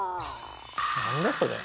何だそれ。